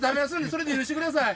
それで許してください。